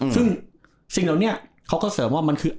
ซึ่งสิ่งเหล่านี้เขาก็เสริมว่ามันคือ